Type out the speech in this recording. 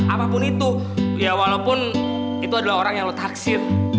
apapun itu ya walaupun itu adalah orang yang lutharsif